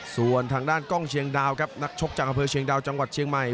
ส่วนทางด้านกล้องเชียงดาวครับนักชกจากอำเภอเชียงดาวจังหวัดเชียงใหม่